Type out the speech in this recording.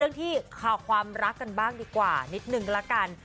เรื่องที่ข่าวความรักกันบ้างดีกว่านิดนึงละกัน